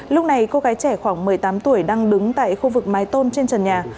lúc này cô gái trẻ khoảng một mươi tám tuổi đang đứng tại khu vực mái tôn trên trần nhà